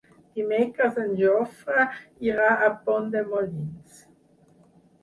Dimecres en Jofre irà a Pont de Molins.